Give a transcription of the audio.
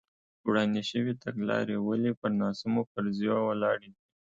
وړاندې شوې تګلارې ولې پر ناسمو فرضیو ولاړې دي.